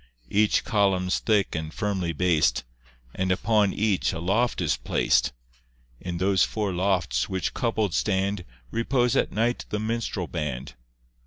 Each column's thick and firmly bas'd, And upon each a loft is plac'd; In those four lofts, which coupled stand, Repose at night the minstrel band.